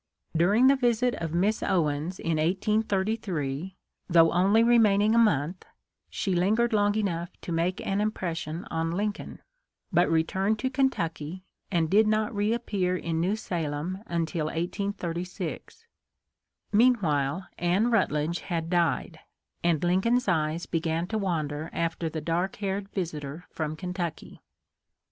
During the visit of Miss Owens in 1833, 143 144 THE LIFE OF LINCOLN. though only remaining a month, she lingered long enough to make an impression on Lincoln ; but returned to Kentucky and did not reappear in New Salem till 1836. Meanwhile Anne Rutledge had died, and Lincoln's eyes began to wander after the dark haired visitor from Kentucky.